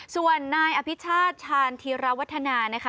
ส่วนนายอภิชาชาณธิรวรรธนานะคะ